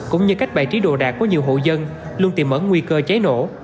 cũng như cách bày trí đồ đạc của nhiều hộ dân luôn tìm mở nguy cơ cháy nổ